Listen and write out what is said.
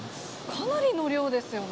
かなりの量ですよね。